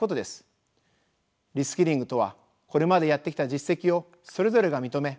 リスキリングとはこれまでやってきた実績をそれぞれが認め